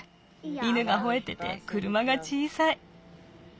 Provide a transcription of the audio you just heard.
犬がほえてて車が小さい。